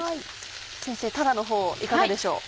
先生たらのほういかがでしょう？